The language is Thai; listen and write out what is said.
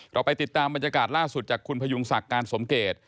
เราไปติดตามบรรยากาศล่าสุดจากคุณพยุงศักดิ์การสมเกต